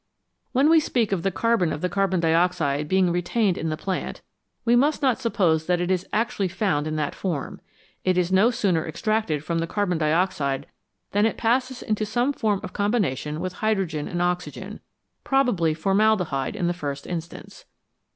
When we speak of the carbon of the carbon dioxide being retained in the plant, we must not suppose that it is actually found in that form ; it is no sooner extracted from the carbon dioxide than it passes into some form of combination with hydrogen and oxygen, probably formaldehyde in the first instance.